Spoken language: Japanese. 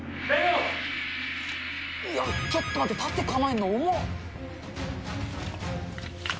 ちょっと待って、盾構えんの重っ！